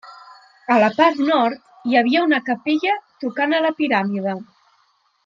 A la part nord, hi havia una capella tocant a la piràmide.